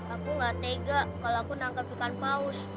aku gak tega kalau aku nangkap ikan paus